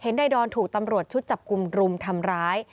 นายดอนถูกตำรวจชุดจับกลุ่มรุมทำร้าย